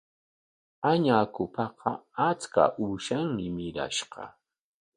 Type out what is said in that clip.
Añakupaqa achka uushanmi mirashqa.